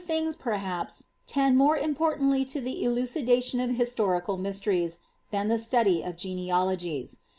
* igs, perhaps, tend more importantly to the elucidation of his teries, than the study of genealogies.